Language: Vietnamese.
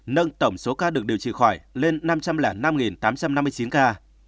nâng tổng số ca được điều trị khỏi lên năm trăm linh năm tám trăm năm mươi chín ca